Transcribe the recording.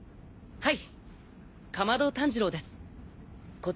はい。